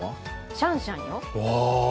シャンシャン